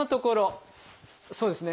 そうですね。